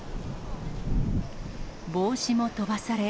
帽子も飛ばされ。